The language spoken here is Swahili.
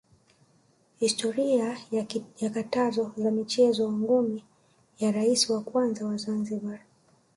historia ya katazo za mchezo wa ngumi ya raisi wa kwanza wa Zanzibar